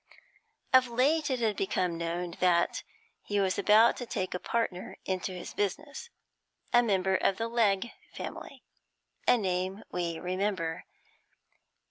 Of late it had become known that he was about to take a partner into his business, a member of the Legge family a name we remember.